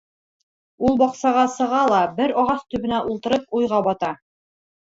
Ул баҡсаға сыға ла, бер ағас төбөнә ултырып, уйға бата.